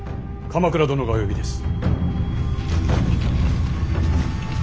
鎌倉殿がお呼びです。